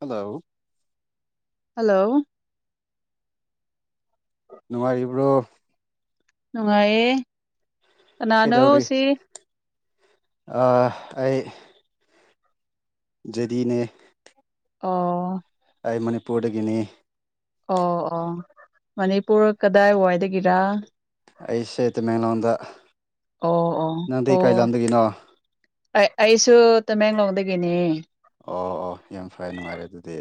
hello hello ꯅꯅꯨꯡꯉꯔꯤꯕꯔꯤꯕ꯭ꯔꯣ ꯅꯨꯡꯉꯥꯏꯌꯦ ꯀꯅꯥꯅꯣ ꯀꯩꯗꯧꯔꯤ ꯁꯤ ꯑꯩ ꯌꯗꯤꯅꯦ ꯑꯣ ꯑꯩ ꯃꯅꯤꯄꯨꯔꯗꯒꯤꯅꯤ ꯑꯣ ꯑꯣ ꯃꯅꯤꯄꯨꯔ ꯀꯗꯥꯏ ꯋꯥꯏꯗꯒꯤꯔꯥ ꯑꯩꯁꯦꯠꯇ ꯃꯅꯣꯟꯗ ꯑꯣ ꯑꯣ ꯑꯣ ꯑꯩꯁꯨ ꯣ ꯃꯦꯍꯒꯥ ꯍꯗꯒꯦꯅꯤ ꯑꯣ ꯑꯣ ꯌꯥꯝ ꯐꯩꯦ ꯅꯨꯡꯉꯥꯏꯔꯦ ꯑꯗꯨꯗꯤ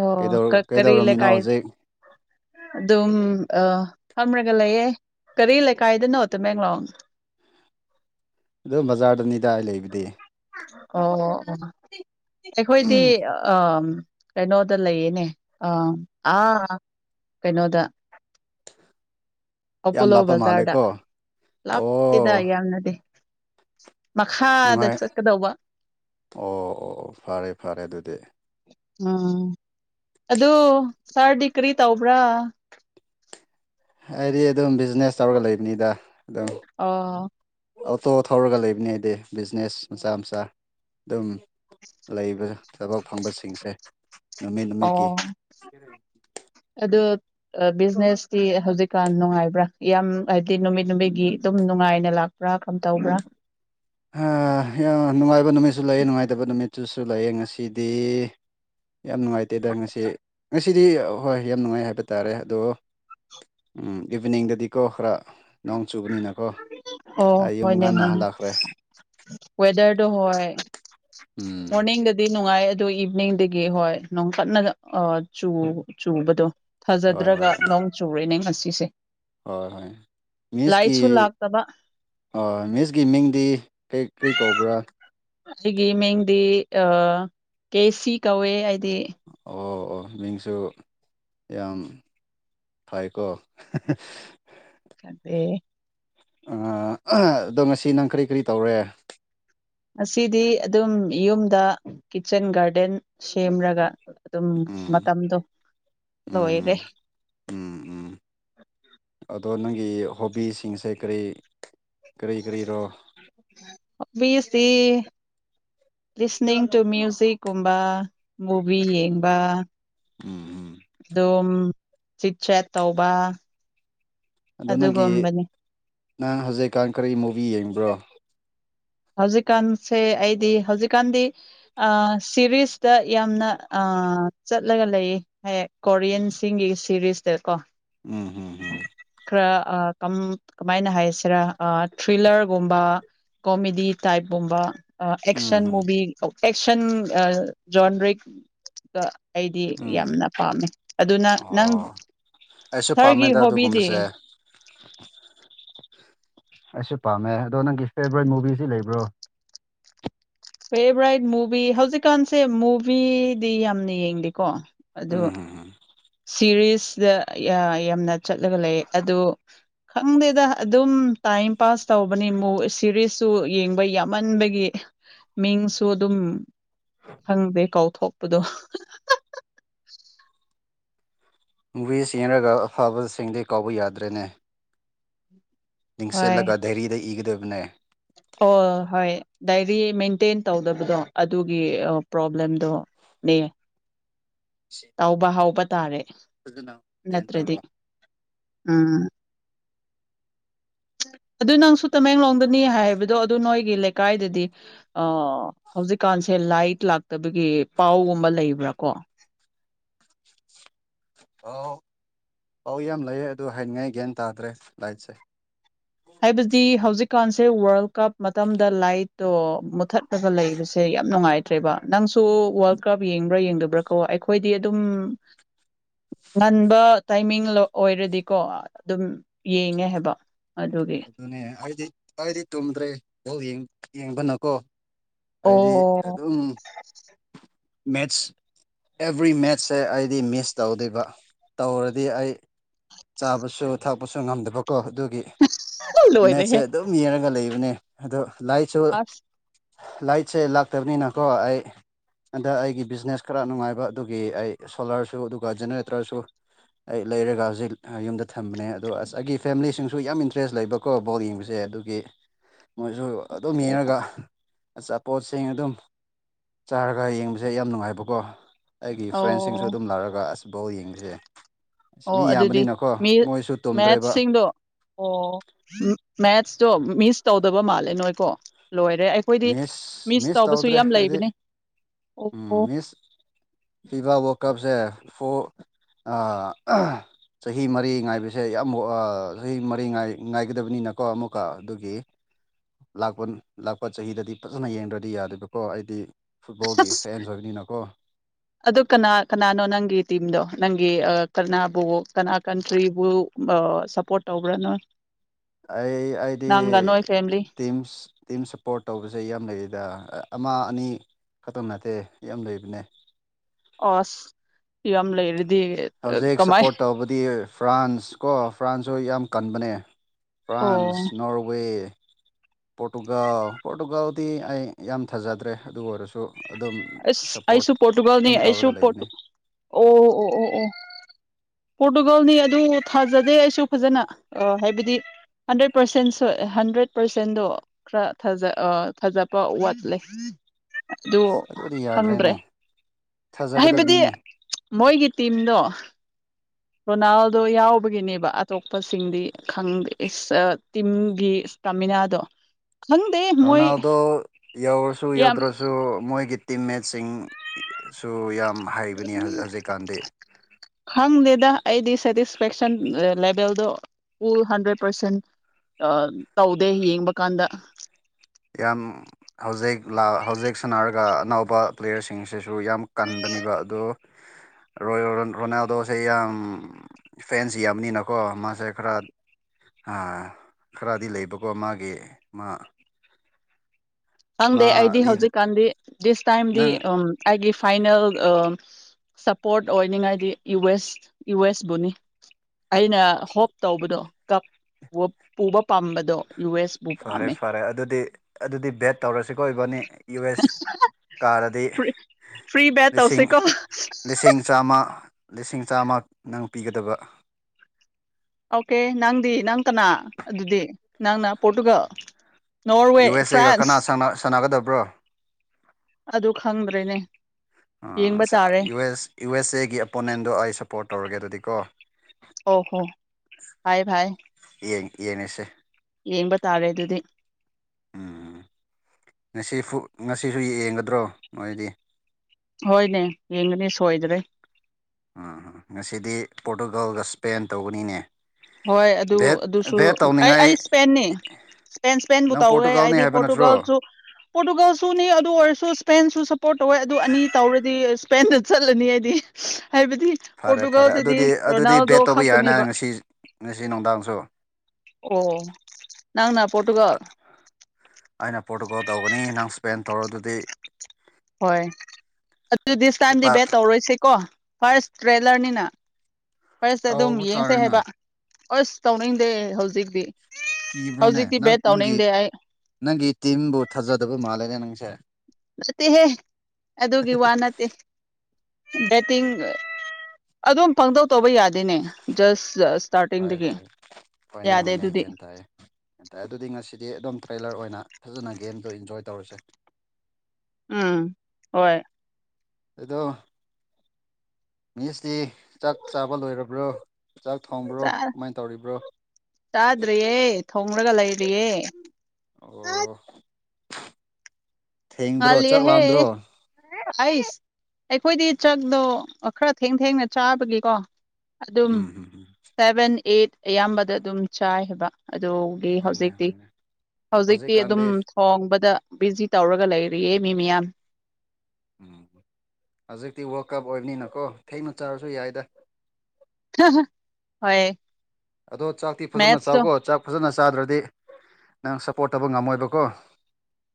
ꯑꯣ ꯀꯩꯗꯧ ꯀ ꯀꯔꯤ ꯂꯩ ꯀꯩꯗꯧꯔꯝꯃꯤꯅꯣ ꯀꯥꯏ ꯍꯧꯖꯤꯛ ꯑꯗꯨꯝ ꯑ ꯐꯝꯔꯒ ꯂꯩꯌꯦꯦ ꯀꯔꯤ ꯂꯩꯀꯥꯏꯗꯅꯣ ꯇꯃꯦꯡꯂꯣꯡ ꯑꯣꯝ ꯕꯖꯥꯔꯗꯅꯤꯗꯥꯏ ꯂꯩꯕꯗꯤ ꯑꯣ ꯑꯣ ꯑꯣ ꯑꯩꯈꯣꯏꯗꯤ ꯑ ꯀꯩꯅꯣꯗ ꯂꯩꯌꯦꯅꯦ ꯑꯥ ꯑꯥ ꯀꯩꯅꯣꯗ ꯌꯥꯝ ꯑꯣꯄꯣꯂꯣ ꯂꯥꯞꯄ ꯕꯖꯥꯔꯗ ꯃꯥꯜꯂꯦꯀꯣ ꯑꯣ ꯂꯥꯞꯇꯦꯗ ꯌꯥꯝꯅꯗꯤ ꯃꯈꯥꯗ ꯅꯨꯡꯉꯥꯏ ꯆꯠꯀꯗꯧꯕ ꯑꯣ ꯑꯣ ꯑꯣ ꯐꯔꯦ ꯐꯔꯦ ꯑꯗꯨꯗꯤ ꯎꯝ ꯑ ꯁꯥꯔꯗꯤ ꯀꯔꯤ ꯇꯧꯕ꯭ꯔꯥ ꯑꯩꯗꯤ ꯑꯗꯨꯝ ꯕꯤꯖꯤꯅꯦꯁ ꯇꯧꯔꯒ ꯂꯩꯕꯅꯤꯗ ꯑꯗꯨꯝ ꯑꯣ ꯑꯣꯇꯣ ꯊꯧꯔꯒ ꯂꯩꯕꯅꯤ ꯍꯥꯏꯗꯤ ꯕꯤꯖꯤꯅꯦꯁ ꯃꯆꯥ ꯃꯆꯥ ꯑꯗꯨꯝ ꯂꯩꯕ ꯊꯕꯛ ꯐꯪꯕꯁꯤꯡꯁꯦ ꯅꯨꯃꯤꯠ ꯅꯨꯃꯤꯠꯀꯤ ꯑꯣ ꯑꯗꯨ ꯕꯤꯖꯤꯅꯦꯁꯇꯤ ꯍꯧꯖꯤꯛꯀꯥꯟ ꯅꯨꯡꯉꯥꯏꯕ꯭ꯔꯥ ꯌꯥꯝ ꯍꯥꯏꯕꯗꯤ ꯅꯨꯃꯤꯠ ꯅꯨꯃꯤꯠꯒꯤ ꯑꯗꯨꯝ ꯅꯨꯡꯉꯥꯏꯅ ꯂꯥꯛ ꯄ꯭ꯔꯥ ꯀ ꯇꯧꯕ꯭ꯔꯥ ꯍꯥ ꯌꯥꯝ ꯅꯨꯡꯉꯥꯏꯕ ꯅꯨꯃꯤꯠꯁꯨ ꯂꯩꯑ ꯅꯨꯡꯉꯥꯏꯇꯕ ꯅꯨꯃꯤꯠꯇꯠꯇꯨꯁꯨ ꯂꯩꯑ ꯉꯁꯤꯗꯤ ꯌꯥꯝ ꯅꯨꯡꯉꯥꯏꯇꯦꯗ ꯉꯁꯤ ꯉꯁꯤ ꯁꯤꯗꯤ ꯍꯣꯏ ꯌꯥꯝ ꯅꯨꯡꯉꯥꯏ ꯍꯥꯏꯕ ꯇꯥꯔꯦ ꯑꯗꯣ ꯏꯚꯅꯤꯡꯗꯗꯤꯀꯣ ꯈꯔ ꯅꯣꯡ ꯆꯨꯕꯅꯤꯅꯀꯣ ꯑꯩ ꯌꯨꯝꯒꯥꯟ ꯅꯥꯍꯜꯂꯛꯈ꯭ꯔꯦ ꯋꯦꯗꯔꯗ ꯍꯣꯏ ꯎꯝ ꯃꯅꯤꯡꯗꯗꯤ ꯅꯨꯡꯉꯥꯏ ꯑꯗꯨꯗꯣ ꯏꯚꯅꯤꯡꯗꯒꯤ ꯍꯣꯏ ꯅꯣꯡ ꯀꯟꯅ ꯆꯨꯕꯗꯣ ꯍꯣꯏ ꯊꯥꯖꯗ꯭ꯔꯒ ꯍꯣꯏ ꯅꯣꯡ ꯆꯨꯔꯦꯅꯦ ꯉꯁꯤꯁꯦ ꯍꯣꯏ ꯍꯣꯏ ꯂꯥꯏꯆꯨꯜꯂ ꯍꯥꯥꯛꯇꯕ ꯑ ꯃꯤꯁꯀꯤ ꯃꯤꯡꯗꯤ ꯀꯔꯤ ꯀꯔꯤ ꯀꯧꯕ꯭ꯔꯥ ꯑꯗꯨꯒꯤ ꯃꯤꯡꯗꯤ ꯀꯦ ꯁꯤ ꯀꯧꯋꯦ ꯍꯥꯏꯗꯤ ꯑꯣ ꯑꯣ ꯃꯤꯡꯁꯨ ꯌꯥꯝ ꯍꯣꯏꯀꯣ ꯑꯗ ꯑꯗꯣ ꯉꯁꯤ ꯅꯪ ꯀꯔꯤ ꯀꯔꯤ ꯇꯧꯔꯦ ꯉꯁꯤꯗꯤ ꯑꯗꯨꯝ ꯌꯨꯝꯗ ꯀꯤꯠꯆꯟ ꯒꯥꯔꯗꯦꯟ ꯁꯦꯝꯔꯒ ꯑꯗꯨꯝ ꯎꯝ ꯃꯇꯝꯗꯣ ꯎꯝ ꯂꯣꯏꯔꯦ ꯎꯝ ꯎꯝ ꯑꯣ ꯑꯗꯣ ꯅꯪꯒꯤ ꯍꯣꯕꯤꯁꯤꯡꯁꯦ ꯀꯔꯤ ꯀꯔꯤ ꯀꯔꯤꯔꯣ ꯁꯤ ꯂꯤꯁꯅꯤꯡ ꯇꯨ ꯃ꯭ꯌꯨꯖꯤꯛꯀꯨꯝꯕ ꯃꯨꯚꯤ ꯌꯦꯡꯕ ꯎꯝ ꯎꯝ ꯑꯗꯨꯝ ꯆꯤꯠ ꯆꯦꯠ ꯇꯧꯕ ꯑꯗꯣ ꯅꯪꯒꯤ ꯑꯗꯨꯒꯨꯝꯕꯅꯤ ꯅꯪ ꯍꯧꯖꯤꯛꯀꯥꯟ ꯀꯔꯤ ꯃꯨꯚꯤ ꯌꯦꯡꯕ꯭ꯔꯣ ꯍꯧꯖꯤꯛꯀꯥꯟꯁꯦ ꯑꯩꯗꯤ ꯍꯧꯖꯤꯛꯀꯥꯟꯗꯤ ꯁꯤꯔꯤꯁꯇ ꯌꯥꯝꯅ ꯑꯥ ꯆꯠꯂꯒ ꯂꯩꯌꯦ ꯍ ꯀꯣꯔꯤꯌꯟꯁꯤꯡꯒꯤ ꯁꯤꯔꯤꯁꯅ‌ꯦ ꯀꯣ ꯎꯝ ꯎꯝ ꯎꯝ ꯀꯃꯥꯏꯅ ꯍꯥꯏꯁꯤꯔꯥ ꯊ꯭ꯔꯤꯂꯔꯒꯨꯝꯕ ꯀꯣꯃꯦꯗꯤ ꯇꯥꯏꯞꯀꯨꯝꯕ ꯑꯦꯛꯁꯟ ꯎꯝ ꯎꯝ ꯃꯨꯚꯤ ꯑꯦꯛꯁꯟ ꯖ‌ꯣꯟꯔꯤꯛ ꯑꯩꯗꯤ ꯎꯝ ꯌꯥꯝꯅ ꯄꯥꯝꯃꯦ ꯑꯗꯨꯅ ꯅꯪ ꯑꯣ ꯑꯩꯁꯨ ꯁꯥꯔꯒꯤ ꯄꯥꯝꯃꯦꯗ ꯍꯣꯕꯤꯗꯤ ꯑꯗꯨꯒꯨꯝꯕꯁꯦ ꯑꯩꯁꯨ ꯄꯥꯝꯃꯦ ꯑꯗꯣ ꯅꯪꯒꯤ ꯐꯦꯚꯣꯔꯥꯏꯠ ꯃꯨꯚꯁꯤ ꯂꯩꯕ꯭ꯔꯣ ꯐꯦꯚ꯭ꯔꯥꯏꯠ ꯃꯨꯚꯤ ꯍꯧꯖꯤꯛꯀꯥꯟꯁꯦ ꯃꯨꯚꯤꯗꯤ ꯌꯥꯝꯅ ꯌꯦꯡꯗꯦꯀꯣ ꯑꯗꯨ ꯎꯝ ꯍꯝ ꯎꯝ ꯁꯤꯔꯤꯁꯇ ꯌꯥꯝꯅ ꯆꯠꯂꯒ ꯂꯩꯌ‌ꯦ ꯑꯗꯨ ꯈꯪꯗꯦꯗ ꯑꯗꯨꯝ ꯇꯥꯏꯝ ꯄꯥꯁ ꯇꯧꯕꯅꯤ ꯃꯨ ꯁꯤꯔꯤꯁꯁꯨꯨ ꯌꯦꯡꯕ ꯌꯥꯝꯃꯟꯕꯒꯤ ꯃꯤꯡꯁꯨ ꯑꯗꯨꯝ ꯐꯪꯗꯦ ꯀꯥꯎꯊꯣꯛꯄꯗꯣ ꯃꯨꯚꯤꯁ ꯌꯦꯡꯔꯒ ꯑꯐꯕꯁꯤꯡꯗꯤ ꯀꯥꯎꯕ ꯌꯥꯗ꯭ꯔꯦꯅꯦ ꯍꯣꯏ ꯅꯤꯡꯁꯤꯜꯂꯒ ꯗꯦꯔꯤꯗ ꯏꯒꯗꯕꯅꯦ ꯑꯣ ꯍꯣꯏ ꯗꯥꯏꯔꯤ ꯃꯦꯟꯇꯦꯟ ꯇꯧꯗꯕꯗꯣ ꯑꯗꯨꯒꯤ ꯄ꯭ꯔꯣꯕ꯭ꯂꯦꯝꯗꯣ ꯂꯩ ꯇꯥꯎꯕ ꯍꯥꯎꯕ ꯇꯥꯔꯦ ꯑꯗꯨꯅ ꯆꯦꯟꯖ ꯅꯠꯇ꯭ꯔꯗꯤ ꯇꯧꯔꯛꯑꯣ ꯎꯝ ꯑꯗꯨ ꯅꯪꯁꯨ ꯇꯃꯦꯡꯂꯣꯡꯗꯅꯤ ꯍꯥꯏꯕꯗꯣ ꯑꯗꯨ ꯅꯣꯏꯒꯤ ꯂꯩꯀꯥꯏꯗꯗꯤ ꯑ ꯍꯧꯖꯤꯛꯀꯥꯟꯁꯦ ꯂꯥꯏꯠ ꯂꯥꯛꯇꯕꯒꯤ ꯄꯥꯎꯒꯨꯝꯕ ꯂꯩꯕ꯭ꯔꯥ ꯀꯣ [inaudible] ꯑꯥꯎ ꯑꯥꯎ ꯌꯥꯝ ꯂꯩꯌꯦ ꯑꯗꯨ ꯍꯥꯏꯅꯤꯡꯉꯥꯏ ꯒ꯭ꯌꯥꯟ ꯇꯥꯗ꯭ꯔꯦ ꯂꯥꯏꯠꯁꯦ ꯍꯥꯏꯕꯗꯤ ꯍꯧꯖꯤꯛꯀꯥꯟꯁꯦ ꯋꯥꯔꯜ ꯀꯞ ꯃꯇꯝꯗ ꯂꯥꯏꯠꯇꯣ ꯃꯨꯊꯠꯂꯒ ꯂꯩꯕꯁꯦ ꯌꯥꯝ ꯅꯨꯡꯉꯥꯏꯇ꯭ꯔꯦꯕ ꯅꯪꯁꯨ ꯋꯥꯔꯜ ꯀꯞ ꯌꯦꯡꯕ꯭ꯔꯥ ꯌꯦꯡꯗꯕ꯭ꯔꯥ ꯀꯣ ꯑꯩꯈꯣꯏꯗꯤ ꯑꯗꯨꯝ ꯉꯟꯕ ꯇꯥꯏꯃꯤꯡ ꯑꯣꯏꯔꯗꯤꯀꯣ ꯑꯗꯨꯝ ꯌꯦꯡꯉꯦ ꯍꯥꯏꯕ ꯑꯗꯨꯒꯤ ꯑꯗꯨꯅꯦ ꯑꯩꯗꯤ ꯑꯩꯗꯤ ꯇꯨꯝꯗ꯭ꯔꯦ ꯕ‌ꯣꯂ ꯌꯦꯡꯕꯅꯀꯣ ꯍꯥꯏꯗꯤ ꯑꯣ ꯑꯗꯨꯝ ꯃꯦꯠꯁ ꯑꯦꯚ꯭ꯔꯤ ꯃꯦꯠꯁꯦ ꯑꯩꯗꯤ ꯃꯤꯁ ꯇꯧꯗꯦꯕ ꯇꯧꯔꯗꯤ ꯑꯩ ꯆꯥꯕꯁꯨ ꯊꯛꯄꯁꯨ ꯉꯝꯗꯕꯀꯣ ꯑꯗꯨ ꯒꯤ ꯃꯦꯠꯁꯦ ꯂꯣꯏꯔꯦꯍꯦ ꯑꯗꯨꯝ ꯌꯦꯔꯒ ꯂꯩꯕꯅꯦ ꯑꯗꯣ ꯂꯥꯏꯠꯁꯨ ꯑꯁ ꯂꯥꯏꯠꯁꯦ ꯂꯥꯛꯇꯕꯅꯤꯅꯀꯣ ꯑꯩ ꯑꯗ ꯑꯩꯒꯤ ꯕꯤꯖꯤꯅꯦꯁ ꯈꯔ ꯅꯨꯡꯉꯥꯏꯕ ꯑꯗꯨꯒꯤ ꯑꯩ ꯁꯣꯂꯔꯁꯨ ꯑꯗꯨꯒ ꯖꯦꯅꯦꯔꯦꯇꯔꯁꯨ ꯑꯩ ꯂꯩꯔꯒ ꯍꯧꯖꯤꯛ ꯌꯨꯝꯗ ꯊꯝꯕꯅꯦ ꯑꯗꯣ ꯑꯁ ꯑꯩꯒꯤ ꯐꯦꯃꯤꯂꯤꯁꯤꯡꯁꯨ ꯌꯥꯝ ꯏꯟꯇꯔꯦꯁ ꯂꯩꯕꯀꯣ ꯕꯣꯜ ꯌꯦꯡꯕꯁꯦ ꯑꯗꯨꯒꯤ ꯃꯣꯏꯁꯨ ꯑꯗꯨꯝ ꯌꯦꯡꯔꯒ ꯑꯆꯥꯄꯣꯠꯁꯤꯡ ꯑꯗꯨꯝ ꯆꯥꯔꯒ ꯌꯦꯡꯕꯁꯦ ꯌꯥꯝ ꯅꯨꯡꯉꯥꯏꯕꯀꯣ ꯑꯩꯒꯤ ꯐ꯭ꯔꯦꯟꯁꯤꯡꯁꯨ ꯑꯣ ꯑꯗꯨꯝ ꯂꯥꯛꯑꯒ ꯑꯁ ꯕ‌ꯣꯂ ꯌꯦꯡꯕꯁꯦ ꯑꯁ ꯑꯣ ꯃꯤ ꯑꯗꯨꯗꯤ ꯌꯥꯝꯕꯅꯤꯅꯀꯣ ꯃꯤ ꯃꯣꯏꯁꯨ ꯇꯨꯝꯗ꯭ꯔꯦꯕ ꯃꯦꯠꯁꯁꯤꯡꯗꯣ ꯑꯣ ꯃꯦꯠꯁꯇꯣ ꯃꯤꯁ ꯇꯧꯗꯕ ꯃꯥꯜꯂꯦ ꯅꯣꯏꯀꯣ ꯂꯣꯏꯔꯦ ꯑꯩꯈꯣꯏꯗꯤ ꯃꯤꯁ ꯃꯤꯁ ꯇꯧꯕꯁꯨ ꯇꯧꯗ꯭ꯔꯦ ꯌꯥꯝ ꯍꯥꯏꯗꯤ ꯂꯩꯕꯅꯤ ꯎꯝ ꯃꯤꯁ ꯄꯤꯕ ꯋꯥꯔ ꯀꯞꯁꯦ ꯐꯣꯔ ꯑ ꯆꯍꯤ ꯃꯔꯤ ꯉꯥꯏꯕꯁꯦ ꯌꯥꯝ ꯆꯍꯤ ꯃꯔꯤ ꯉꯥꯏꯒꯗꯕꯅꯤꯅꯀꯣ ꯑꯃꯨꯛꯀ ꯑꯗꯨꯒꯤ ꯂꯥꯛꯄ ꯂꯥꯛꯄ ꯆꯍꯤꯗꯗꯤ ꯐꯖꯅ ꯌꯦꯡꯗ꯭ꯔꯗꯤ ꯌꯥꯗꯦꯕꯀꯣ ꯑꯩꯗꯤ ꯐꯨꯠꯕꯣꯜꯒꯤ ꯑꯁ ꯐꯦꯟꯁ ꯑꯣꯏꯕꯅꯤꯅꯀꯣ ꯑꯗꯨ ꯀꯅꯥ ꯀꯅꯥꯅꯣ ꯅꯪꯒꯤ ꯇꯤꯝꯗꯣ ꯅꯪꯒꯤ ꯀꯅꯥꯕꯨ ꯀꯅꯥ ꯀꯟꯇ꯭ꯔꯤꯕꯨ ꯁꯞꯄꯣꯔꯠ ꯇꯧꯕ꯭ꯔꯥꯅꯣ ꯑꯩ ꯑꯩꯗꯤ ꯇꯤꯝ ꯇꯤꯝ ꯁꯞꯄꯣꯔꯠ ꯇꯧꯕꯁꯦ ꯌꯥꯝꯌꯥꯝ ꯂꯩꯔꯤꯗ ꯑꯃ ꯑꯅꯤ ꯈꯛꯇꯪ ꯅꯠꯇꯦ ꯌꯥꯝ ꯂꯩꯕꯅꯦ ꯑꯁ ꯌꯥꯝ ꯂꯩꯔꯗꯤ ꯍꯧꯖꯤꯛ ꯀꯃꯥꯏ ꯁꯞꯄꯣꯔꯠ ꯇꯧꯕꯗꯤ ꯐ꯭ꯔꯥꯟꯁ ꯀꯣ ꯐ꯭ꯔꯥꯟꯁꯁꯨ ꯌꯥꯝ ꯀꯟꯕꯅꯦ ꯑꯣ ꯐ꯭ꯔꯥꯟꯁ ꯅꯣꯔꯋꯦ ꯄꯣꯔꯇꯨꯒꯥꯜ ꯄꯣꯔꯇꯨꯒꯥꯜꯗꯤ ꯑꯩ ꯌꯥꯝ ꯐꯖꯗ꯭ꯔꯦ ꯑꯗꯨ ꯑꯣꯏꯔꯁꯨ ꯑꯗꯨꯝ ꯁ ꯁꯞꯄꯣꯔꯠ ꯑꯩꯁꯨ ꯄꯣꯇꯨꯒꯜꯅꯤ ꯑꯗꯨꯝ ꯑꯩꯁꯨ ꯇꯧꯔꯒ ꯄꯣꯨ ꯂꯩꯕꯅꯦ ꯑꯣ ꯑꯣ ꯑꯣ ꯑꯣ ꯄꯣꯔꯇꯨꯒꯥꯜꯅꯤ ꯑꯗꯨ ꯊꯥꯖꯗꯦ ꯑꯩꯁꯨ ꯐꯖꯅ ꯍꯥꯏꯕꯗꯤ ꯍꯟꯗ꯭ꯔꯦꯠ ꯄꯥꯔꯁꯦꯟꯁꯨ ꯍꯟꯗ꯭ꯔꯦꯠ ꯄꯥꯔꯁꯦꯟꯗꯣ ꯈꯔꯖ ꯊꯥꯖꯕ ꯋꯥꯠꯂꯦ ꯑꯗꯨꯗ ꯑꯁ ꯑꯗꯨꯗꯤ ꯈꯪꯗ꯭ꯔꯦ ꯌꯥꯗ꯭ꯔꯦꯅꯦ ꯍꯥꯏꯕꯗꯤ ꯊꯥꯖꯒꯗꯕꯅꯤꯅꯦ ꯃꯣꯏꯒꯤ ꯇꯤꯝꯗꯣ ꯔꯣꯅꯥꯜꯗꯣ ꯌꯥꯎꯕꯒꯤꯅꯦꯕ ꯑꯇꯣꯞꯄꯁꯤꯡꯗꯤ ꯈꯪꯗꯦ ꯇꯤꯝꯒꯤ ꯇꯃꯤꯅꯗꯣ ꯔꯣꯅꯥꯜꯗꯣ ꯌꯧꯔꯁꯨ ꯌꯥꯝ ꯌꯧꯗ꯭ꯔꯁꯨ ꯃꯣꯏꯒꯤ ꯇꯤꯝ ꯃꯦꯠꯁꯤꯡ ꯁꯨ ꯌꯥꯝ ꯍꯩꯕꯅꯤ ꯍꯧꯖꯤꯛꯀꯥꯟꯗꯤ ꯈꯪ ꯗꯦꯗ ꯑꯩꯗꯤ ꯁꯦꯇꯤꯁꯐꯦꯛꯁꯟ ꯂꯦꯚꯦꯜꯗꯣ ꯎ ꯍꯟꯗ꯭ꯔꯦꯠ ꯄꯥꯔꯁꯦꯟ ꯑ ꯇꯧꯗꯦ ꯌꯦꯡꯕ ꯀꯥꯟꯗ ꯌꯥꯝ ꯍꯧꯖꯤꯛ ꯍꯧꯖꯤꯛ ꯁꯅꯔꯒ ꯑꯅꯧꯕ ꯄ꯭ꯂꯦꯌꯔꯁꯤꯡꯁꯤꯁꯨ ꯌꯥꯝ ꯀꯟꯗ ꯑꯅꯤꯕ ꯑꯗꯣ ꯔꯣꯅꯥꯜꯗꯣꯁꯦ ꯌꯥꯝ ꯐꯦꯟꯁ ꯌꯥꯝꯕꯅꯤꯅꯀꯣ ꯃꯥꯁꯦ ꯈꯔ ꯈꯔꯗꯤ ꯂꯩꯕꯀꯣ ꯃꯥꯒꯤ ꯃꯥ ꯃꯥ ꯈꯪꯗꯦ ꯑꯩꯗꯤ ꯂꯤꯗ ꯍꯧꯖꯤꯛꯀꯥꯟꯗꯤ ꯗꯤꯁ ꯇꯥꯏꯝꯗꯤ ꯅꯪ ꯎ ꯑꯩꯒꯤ ꯐꯥꯏꯅꯦꯜ ꯁꯞꯄꯣꯔꯠ ꯑꯣꯏꯅꯤꯉꯥꯏꯗꯤ ꯌꯨ ꯑꯦꯁ ꯌꯨ ꯑꯦꯁ ꯕꯨꯅꯤ ꯑꯩꯅ ꯍꯣꯞ ꯇꯧꯕꯗꯣ ꯀ ꯄꯨꯕ ꯄꯥꯝꯕꯗꯣ ꯌꯨ ꯑꯦꯁꯕꯨ ꯐꯔꯦ ꯄꯥꯝꯃꯦ ꯐꯔꯦ ꯑꯗꯨꯗꯤ ꯑꯗꯨꯗꯤ ꯕꯦ ꯇꯧꯔꯁꯤꯀ ꯑꯣꯏꯕꯅꯤ ꯌꯨ ꯑꯦꯁ ꯀꯥꯔꯗꯤ ꯐ꯭ꯔꯤ ꯐ꯭ꯔꯤ ꯕꯦꯠ ꯂꯤꯁꯤꯡ ꯇꯧꯁꯤꯀꯣ ꯂꯤꯁꯤꯡ ꯆꯥꯝꯃ ꯂꯤꯁꯤꯡ ꯆꯥꯝꯃ ꯅꯪ ꯄꯤꯒꯗꯕ ꯑꯣꯀꯦ ꯅꯪꯗꯤ ꯅꯪ ꯀꯅꯥ ꯑꯗꯨꯗꯤ ꯅꯪꯅ ꯄꯣꯔꯇꯨꯒꯜ ꯅꯣꯔꯋꯦ ꯌꯨ ꯑꯦꯁ ꯑꯦꯒ ꯐ꯭ꯔꯥꯟꯁ ꯀꯅꯥ ꯁꯥꯟꯅꯒꯗꯕ꯭ꯔꯣ ꯑꯗꯨ ꯈꯪꯗ꯭ꯔꯦꯅꯦ ꯌꯦꯡꯕ ꯇꯥꯔꯦ ꯑꯦ ꯌꯨ ꯑꯦꯁ ꯑꯦꯒꯤ ꯑꯣꯄꯣꯅꯦꯟꯗꯣ ꯑꯩ ꯁꯞꯄꯣꯔꯠ ꯇꯧꯔꯒꯦ ꯑꯗꯨꯗꯤꯀꯣ ꯑꯣ ꯍꯣ ꯥꯏ ꯐꯚꯥꯏ ꯌꯦꯡꯉꯤꯁꯦ ꯌꯦꯡꯕ ꯇꯥꯔꯦ ꯑꯗꯨꯗꯤ ꯎꯝ ꯉꯁꯤ ꯐꯨ ꯉꯁꯤꯁꯨ ꯌꯦꯡꯒꯗ꯭ꯔꯣ ꯅꯣꯏꯗꯤ ꯍꯣꯏꯅꯦ ꯌꯦꯡꯒꯅꯤ ꯁꯣꯏꯗ꯭ꯔꯦ ꯎꯝ ꯉꯁꯤꯗꯤ ꯄꯣꯔꯇꯨꯒꯥꯜꯒ ꯏꯁꯄꯦꯟ ꯇꯧꯧꯕꯅꯤꯅꯦ ꯍꯣꯏ ꯑꯗꯨ ꯑꯗꯨꯁꯨ ꯑꯩ ꯑꯩ ꯏꯁꯄꯦꯟꯅꯤ ꯁꯄꯦꯟ ꯁꯄꯦꯦꯟꯕꯨ ꯅꯪ ꯇꯧꯦ ꯄꯣꯔꯇꯨꯒꯥꯜꯅꯤ ꯍꯥꯏꯗꯤ ꯍꯥꯏꯕ ꯅꯠꯇ꯭ꯔꯣ ꯄꯣꯣꯔꯇꯨꯒꯜꯁꯨ ꯄꯣꯔꯇꯨꯒꯥꯜꯁꯨꯅꯤ ꯑꯗꯨ ꯑꯣꯏꯔꯁꯨ ꯏꯁꯄꯦꯟꯁꯨ ꯁꯞꯄꯣꯔꯠ ꯇꯧꯋꯦ ꯑꯗꯨ ꯑꯅꯤ ꯇꯧꯔꯗꯤ ꯏꯁꯄ ꯆꯠꯂꯅꯤ ꯍꯥꯏꯗꯤ ꯍꯥꯏꯕꯗꯤ ꯐꯔꯦ ꯐꯔꯦ ꯄꯣꯔꯇꯨꯒꯥꯜꯗꯗꯤ ꯑꯗꯨꯗꯤ ꯑꯗꯨꯗꯤ ꯔꯣꯅꯥꯜꯗꯣ ꯕꯦꯠ ꯇꯧꯕ ꯈꯛꯇꯅꯦꯕ ꯌꯥꯔꯅꯤ ꯉꯁꯤ ꯉꯁꯤ ꯅꯨꯡꯗꯥꯡꯁꯨ ꯑꯣ ꯅꯪꯅ ꯄꯣꯔꯇꯨꯒꯜ ꯑꯩꯅ ꯄꯣꯔꯇꯨꯒꯣꯜ ꯇꯧꯒꯅꯤ ꯅꯍꯪ ꯏꯁꯄꯦꯟ ꯇꯧꯔ ꯑꯗꯨꯗꯤ ꯍꯣꯏ ꯑꯗꯨꯗꯤꯁ ꯇꯥꯏꯝꯗꯤ ꯂꯨꯄꯥ ꯕꯦꯠ ꯇꯧꯔꯣꯏꯁꯤꯦꯀꯣ ꯐꯥꯔꯁ ꯇ꯭ꯔꯦꯂꯔꯅꯤꯅ ꯐꯥꯔꯁ ꯑꯗꯨꯝ ꯇꯧꯕ ꯌꯦꯡꯁꯩ ꯇꯥꯔꯦꯅ ꯍꯥꯏꯕ ꯑꯁ ꯇꯧꯅꯤꯡꯗꯦ ꯍꯧꯖꯤꯛꯗꯤ ꯀꯤꯕ꯭ꯔꯣꯅꯦ ꯅꯪ ꯅꯪꯒꯤ ꯑꯩ ꯅꯪꯒꯤ ꯇꯤꯝꯕꯨ ꯊꯥꯖꯗꯕ ꯃꯥꯜꯂꯦꯅꯦ ꯅꯪꯁꯦ ꯅꯠꯇꯦꯍꯦ ꯑꯗꯨꯒꯤ ꯋꯥ ꯅꯠꯇꯦ ꯕꯦꯇꯤꯡ ꯑꯗꯨꯝ ꯐꯪꯗꯧ ꯇꯧꯕ ꯌꯥꯗꯦꯅꯦ ꯖꯁ ꯍꯣꯏ ꯏꯁꯇꯥꯔꯇꯤꯡꯗꯒꯤ ꯍꯣꯏ ꯍꯣꯏꯅꯦ ꯌꯥꯗꯦ ꯍꯣꯏꯅꯦ ꯑꯗꯨꯗꯤ ꯒ꯭ꯌꯥꯟ ꯇꯥꯏꯌꯦ ꯒꯟ ꯇꯥꯏꯦ ꯑꯗꯨꯗꯤ ꯉꯁꯤꯗꯤ ꯑꯗꯨꯝ ꯇ꯭ꯔꯦꯂꯔ ꯑꯣꯏꯅ ꯐꯖꯅ ꯒꯦꯝꯗꯣ ꯏꯟꯖꯣꯏ ꯇꯧꯔꯁꯦ ꯎꯝ ꯍꯣꯏ ꯑꯗꯣ ꯃꯤꯁꯇꯤ ꯆꯥꯛ ꯆꯥꯕ ꯂꯣꯏꯔꯕ꯭ꯔꯣ ꯆꯥꯛ ꯊꯣꯡꯕ꯭ꯔꯣ ꯆꯥ ꯀꯃꯥꯏꯅ ꯇꯧꯔꯤꯕ꯭ꯔꯣ ꯆꯥꯗ꯭ꯔꯤꯌꯦ ꯊꯣꯡꯡꯂꯒ ꯂꯩꯔꯤꯌꯦꯦ ꯑꯣ ꯊꯦꯡꯗ꯭ꯔꯣ ꯆꯥꯛ ꯑꯂꯍꯦ ꯂꯥꯝꯗ꯭ꯔꯣ ꯑꯩꯁ ꯑꯩꯈꯣꯏꯗꯤ ꯆꯥꯛꯗꯣ ꯈꯔ ꯊꯦꯡ ꯊꯦꯡꯅ ꯆꯥꯕꯒꯤꯀꯣ ꯑꯗꯨꯝ ꯎꯝ ꯎꯝ ꯎꯝ ꯁꯚꯦꯟ ꯑꯩꯠ ꯑꯌꯥꯝꯕꯗ ꯑꯗꯨꯝ ꯆꯥꯏ ꯍꯥꯏꯕ ꯑꯗꯨꯒꯤ ꯍꯣꯏꯅꯦ ꯍꯧꯖꯤꯛꯇꯤ ꯍꯣꯏꯅꯦ ꯍꯧꯖꯤꯛꯇꯤ ꯑꯗꯨꯝ ꯍꯧꯖꯤꯛꯀꯥꯟꯗꯤ ꯊꯣꯡꯕꯗ ꯕꯤꯖꯤ ꯇꯧꯔꯒ ꯂꯩ ꯀꯌꯦ ꯃꯤꯃꯤꯌꯥꯝ ꯎꯝ ꯍꯧꯖꯤꯛꯇꯤ ꯋꯥꯔꯜ ꯀꯞ ꯑꯣꯏꯕꯅꯤꯅꯀꯣ ꯊꯦꯡꯅ ꯆꯥꯔꯁꯨ ꯌꯥꯏꯗ ꯍꯣꯏ ꯑꯗꯣ ꯆꯥꯛꯇꯤ ꯐꯖꯅ ꯃꯦꯠꯁꯇꯣ ꯆꯥꯎꯈꯣ ꯆꯥꯛ ꯐꯖꯅ ꯆꯥꯗ꯭ꯔꯗꯤ ꯅꯪ ꯁꯞꯄꯣꯔꯠ ꯇꯧꯕ ꯉꯝꯃꯣꯏꯕꯀꯣ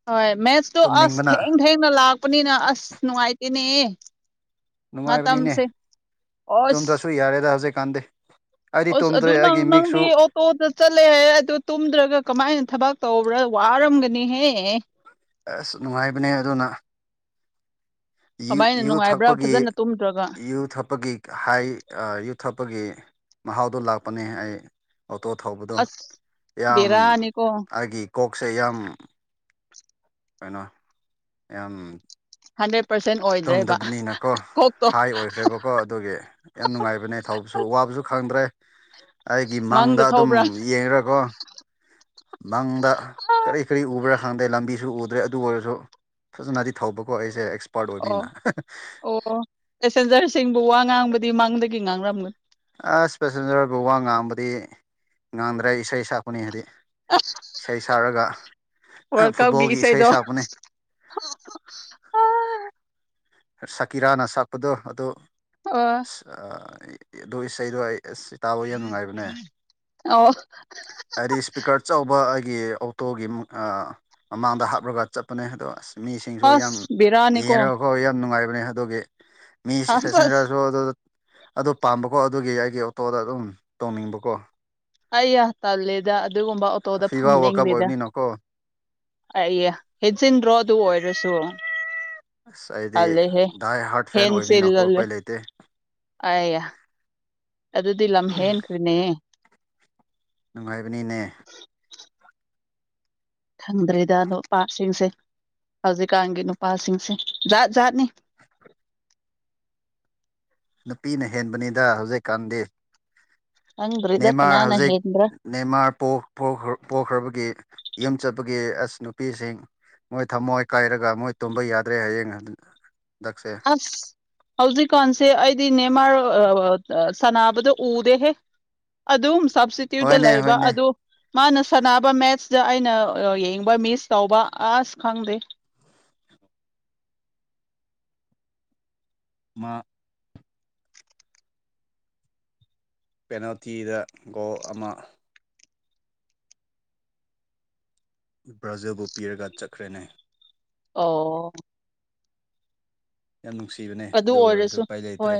ꯍꯣꯏ ꯃꯦꯠꯁꯇꯣ ꯑꯁ ꯇꯨꯝꯅꯤꯡꯕꯅ ꯊꯦꯡ ꯊꯦꯡꯅ ꯂꯥꯛꯄꯅꯤꯅ ꯑꯁ ꯅꯨꯡꯉꯥꯏꯇꯦꯅꯦ ꯅꯨꯡꯉꯥꯏꯕꯅꯤꯅꯦ ꯃꯇꯝꯁꯦ ꯑꯁ ꯇꯨꯡꯗ꯭ꯔꯁꯨ ꯌꯥꯔꯦꯗ ꯍꯧꯖꯤꯛꯀꯥꯟꯗꯤ ꯑꯩꯗꯤ ꯑꯁ ꯇꯨꯝꯗ꯭ꯔꯦ ꯑꯗꯨ ꯅꯪ ꯑꯩꯒꯤ ꯃꯤꯛꯁꯨ ꯅꯪꯗꯤ ꯑꯣꯇꯣꯗ ꯆꯠꯂꯦ ꯍꯥꯏ ꯑꯗꯨ ꯇꯨꯝꯗ꯭ꯔꯒ ꯀꯃꯥꯏꯅ ꯊꯕꯛ ꯇꯧꯕ꯭ꯔꯥ ꯋꯥꯔꯝꯒꯅꯤꯍꯦꯍ ꯑꯁ ꯅꯨꯡꯉꯥꯏꯕꯅꯦ ꯑꯗꯨꯅ ꯀꯃꯥꯏꯅ ꯌꯨ ꯅꯨꯡꯉꯥꯏꯕ꯭ꯔꯥ ꯊꯛꯄꯒꯤ ꯐꯖꯅ ꯇꯨꯝꯗ꯭ꯔꯒ ꯌꯨ ꯊꯛꯄꯒꯤ ꯍꯥꯏ ꯌꯨꯛ ꯆꯄꯒꯤ ꯃꯍꯥꯎꯗꯨꯣ ꯂꯥꯛꯄꯅꯦ ꯑꯩ ꯑꯣꯇꯣ ꯊꯧꯕꯗꯣ ꯑꯁ ꯌꯥꯝ ꯕꯦꯔꯥꯅꯤꯀꯣ ꯑꯩꯒꯤ ꯀꯣꯛꯁꯦ ꯌꯥꯝ ꯀꯩꯅꯣ ꯌꯥꯝ ꯍꯟꯗ꯭ꯔꯦ ꯇꯣꯝꯗꯕꯅꯤꯅꯀꯣ ꯍꯥꯏ ꯑꯣꯏꯈ꯭ꯔꯦꯕꯀꯣ ꯑꯗꯨꯒꯤ ꯌꯥꯝ ꯅꯨꯡꯉꯥꯏꯕꯅꯦ ꯊꯧꯕꯁꯨ ꯋꯥꯕꯁꯨ ꯈꯪꯗ꯭ꯔꯦ ꯑꯩꯒꯤ ꯃꯪꯗ ꯑꯗꯨꯝ ꯌꯦꯡꯀꯣ ꯂꯪꯗ ꯀꯔꯤ ꯀꯔꯤ ꯎꯕ꯭ꯔꯥ ꯈꯪꯗꯦ ꯂꯝꯕꯤꯁꯨ ꯎꯗ ꯑꯗꯨ꯭ꯔꯦ ꯑꯗꯨ ꯑꯣꯏꯔꯁꯨ ꯐꯖꯅꯗꯤ ꯊꯧꯕꯀꯣ ꯑꯩꯁꯦ ꯑꯦ ꯑꯣ ꯑꯣ ꯄꯦꯁꯦꯟꯖꯔꯁꯤꯡꯕꯨ ꯋꯥ ꯉꯥꯡꯕꯗꯤ ꯃꯥꯡꯗꯒꯤ ꯉꯥꯡꯔꯝꯒꯅꯤ ꯑꯁ ꯄꯦꯁꯦꯟꯖꯔꯕꯨ ꯋꯥ ꯉꯥꯡꯕꯗꯤ ꯉꯥꯡꯗ꯭ꯔꯦ ꯏꯁꯩ ꯁꯛꯄꯅꯤ ꯍꯥꯏꯗꯤ ꯏꯁꯩ ꯁꯛꯔꯒ ꯋꯥꯔꯜ ꯀꯞꯀꯤ ꯐꯨꯠꯕꯣꯜꯒꯤ ꯏꯁꯩ ꯏꯁꯩꯗꯣ ꯁꯛꯄꯅꯦ [inaudible] ꯁꯀꯤꯔꯥꯅ ꯁꯛꯄꯗꯣ ꯑꯗꯨ ꯑ ꯑꯗꯨ ꯏꯁꯩꯗꯣ ꯑꯩ ꯑꯦꯁ ꯁꯤ ꯇꯥꯕꯣ ꯌꯥꯝ ꯅꯨꯡꯉꯥꯏꯕꯅꯦ ꯑꯣ ꯍꯥꯏꯗꯤ ꯏꯁꯄꯤꯀꯔ ꯑꯧꯕ ꯒꯤ ꯑꯣꯇꯣꯒꯤ ꯃꯃꯥꯡꯗ ꯍꯥꯞꯂꯒ ꯆꯠꯄꯅꯦ ꯑꯗꯣ ꯑꯁ ꯃꯤꯁꯤꯡꯁꯨ ꯌꯥꯝ ꯑꯁ ꯕꯤꯔꯥꯅꯤꯀꯣ ꯌꯦꯡꯉꯒꯈꯣ ꯌꯥꯝ ꯅꯨꯡꯉꯥꯏꯕꯅꯦ ꯑꯗꯨꯒꯤ ꯃꯤ ꯏꯁ ꯑꯁ ꯑꯁ ꯐꯦꯁꯦꯟꯖꯔꯁꯨ ꯑꯗꯨ ꯑꯣ ꯄꯥꯝꯕꯀꯣ ꯑꯗꯨꯒꯤ ꯑꯩꯒꯤ ꯑꯣꯇꯣꯗ ꯑꯗꯨꯝ ꯇꯧꯅꯤꯡꯕꯀꯣ ꯑꯩ ꯇꯜꯂꯦꯗ ꯑꯗꯨꯒꯨꯝꯕ ꯑꯣꯇꯣꯗ ꯐꯤꯐꯥ ꯋꯥꯔꯜ ꯀꯞ ꯐꯝꯅꯤꯡꯗꯦꯗ ꯑꯣꯏꯕꯅꯤꯅꯀꯣ ꯑ ꯍꯦꯖꯤꯟ ꯔꯣ ꯑꯗꯨ ꯑꯣꯏꯔꯁꯨ ꯑꯁ ꯑꯩꯗꯤ ꯇꯜꯂꯦꯍꯦ ꯗꯥꯏ ꯍꯥꯔꯠ ꯐꯦꯟ ꯑꯣꯏꯕꯅꯤꯅ ꯈꯣꯠꯄꯩ ꯂꯩꯇꯦ ꯑ ꯑꯗꯨꯗꯤ ꯂꯝꯝ ꯍꯦꯟ ꯀ꯭ꯅꯦ ꯅꯨꯡꯉꯥꯏꯕꯅꯤꯅꯦ ꯈꯪꯗ꯭ꯔꯤꯗ ꯑꯗꯣ ꯄꯥꯔꯠꯁꯤꯡꯁꯦ ꯍꯧꯖꯤꯛꯀꯥꯟꯒꯤ ꯅꯨꯄꯥꯁꯤꯡꯁꯦ ꯖꯥꯠ ꯖꯥꯠꯅꯤ ꯅꯨꯄꯤꯅ ꯍꯦꯟꯕꯅꯤꯗ ꯍꯧꯖꯤꯛꯀꯥꯟꯗꯤ ꯈꯪꯗ꯭ꯔꯦꯗ ꯅꯦꯃꯥꯔ ꯀꯅꯥꯅ ꯍꯧꯖꯤꯛ ꯍꯦꯟꯕ꯭ꯔꯥ ꯅꯦꯃꯥꯔ ꯄꯣꯛꯈ꯭ꯔꯕꯒꯤ ꯌꯨꯝ ꯆꯠꯄꯒꯤ ꯑꯁ ꯅꯨꯄꯤꯁꯤꯡ ꯃꯣꯏ ꯊꯝꯃꯣꯏ ꯀꯥꯏꯔꯒ ꯃꯣꯏ ꯇꯨꯝꯕ ꯌꯥꯗ꯭ꯔꯦ ꯍꯌꯦꯡ ꯑꯗꯨ ꯑꯁ ꯍꯧꯖꯤ ꯀꯥꯟꯁꯦ ꯑꯩꯗꯤ ꯅꯦꯃꯥꯔ ꯁꯅꯕꯗꯣ ꯎꯗꯦꯍꯦ ꯑꯗꯨꯝ ꯁꯞꯇꯤꯇ꯭ꯌꯨꯠꯇ ꯍꯣꯏꯅꯦ ꯂꯩꯕ ꯍꯣꯏꯅꯦ ꯑꯗꯨ ꯃꯥꯅ ꯁꯥꯟꯅꯕ ꯃꯦꯠꯁ ꯗ ꯑꯩꯅ ꯌꯦꯡꯕ ꯃꯤꯁ ꯇꯧꯕ ꯑꯁ ꯈꯪꯗꯦ [unintelligible] ꯃ ꯄꯦꯅꯥꯜꯇꯤꯗ ꯒꯣꯜ ꯑꯃ ꯕ꯭ꯔꯥꯖꯤꯜꯕꯨ ꯄꯤꯔꯒ ꯆꯠꯈ꯭ꯔꯦꯅꯦ ꯑꯣ ꯌꯥꯝ ꯅꯨꯡꯁꯤꯕꯅꯦ ꯑꯗꯨ ꯑꯣꯏꯔꯁꯨ ꯎꯄꯥꯏ ꯂꯩꯇ꯭ꯔꯦ